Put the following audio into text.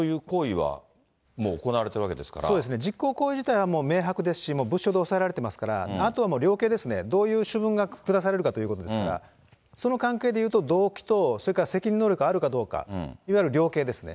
殺害という行為はもう行われていそうですね、実行行為自体は明白ですし、物証でおさえられていますから、あとは量刑ですね、どういう主文が下されるかということですから、その関係でいうと、動機とそれから責任能力あるかどうか、いわゆる量刑ですね。